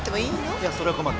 いやそれは困る。